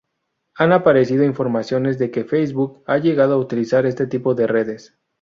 Han aparecido informaciones de que Facebook ha llegado a utilizar este tipo de redes.